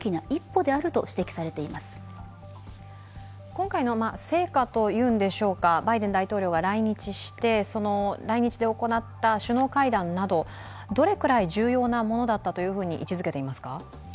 今回の成果というんでしょうか、バイデン大統領が来日して来日で行った首脳会談などどのくらい重要なものだったと位置づけていますか？